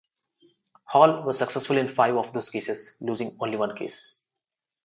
Hall was successful in five of those cases, losing only one case.